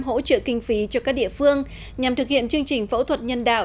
hỗ trợ kinh phí cho các địa phương nhằm thực hiện chương trình phẫu thuật nhân đạo